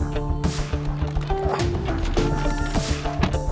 tapi sekarang lo gak ada pilihan